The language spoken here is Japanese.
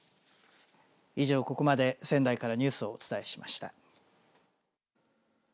以上、ここまで仙台からニュースをお伝えしました。